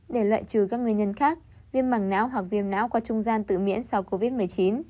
để loại trừ các nguyên nhân khác viêm mảng não hoặc viêm não qua trung gian tự miễn sau covid một mươi chín